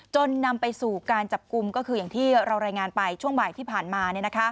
นำไปสู่การจับกลุ่มก็คืออย่างที่เรารายงานไปช่วงบ่ายที่ผ่านมา